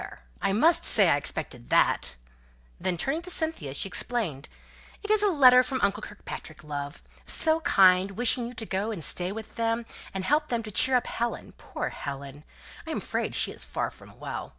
I must say I expected that!" Then, turning to Cynthia, she explained "It is a letter from uncle Kirkpatrick, love. So kind, wishing you to go and stay with them, and help them to cheer up Helen; poor Helen! I am afraid she is very far from well.